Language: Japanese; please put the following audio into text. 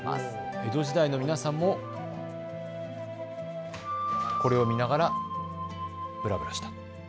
江戸時代の皆さんもこれを見ながらブラブラした。